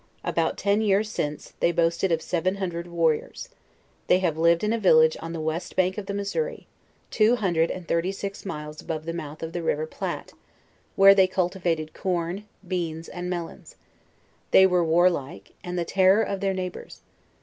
About ten years since, they boasted of seven hundred warriors. They have lived in a village, on the west bank of the Missouri; two hundred and thirty six miles above the mouth of the river Platte, where they cultivated corn, beans, and melons: they were warlike, end the terror of their neigh bors.